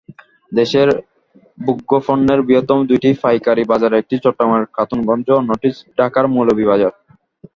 দেশের ভোগ্যপণ্যের বৃহত্তম দুটি পাইকারি বাজারের একটি চট্টগ্রামের খাতুনগঞ্জ, অন্যটি ঢাকার মৌলভীবাজার।